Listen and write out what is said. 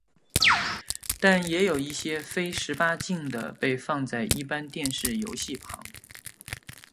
但也有一些非十八禁的被放在一般电视游戏旁。